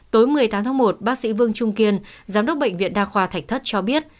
tối một mươi tám tháng một bác sĩ vương trung kiên giám đốc bệnh viện đa khoa thạch thất cho biết